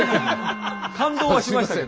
感動はしましたけど。